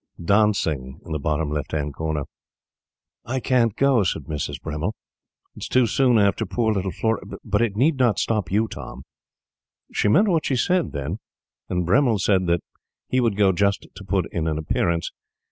"Dancing" in the bottom left hand corner. "I can't go," said Mrs. Bremmil, "it is too soon after poor little Florrie... but it need not stop you, Tom." She meant what she said then, and Bremmil said that he would go just to put in an appearance.